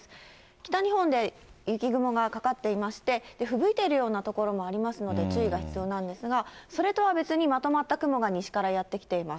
北日本で雪雲がかかっていまして、ふぶいているような所もありますので注意が必要なんですが、それとは別にまとまった雲が西からやって来ています。